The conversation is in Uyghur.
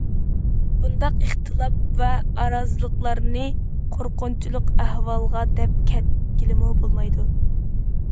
بۇنداق ئىختىلاپ ۋە ئارازلىقلارنى قورقۇنچلۇق ئەھۋال دەپ كەتكىلىمۇ بولمايدۇ.